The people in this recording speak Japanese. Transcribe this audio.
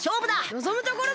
のぞむところだ！